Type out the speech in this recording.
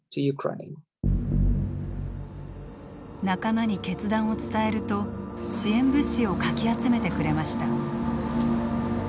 仲間に決断を伝えると支援物資をかき集めてくれました。